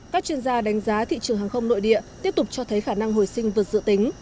các chuyên gia đánh giá thị trường hàng không nội địa tiếp tục cho thấy khả năng hồi sinh vượt dự tính